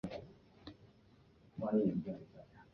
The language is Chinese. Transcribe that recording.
母白氏。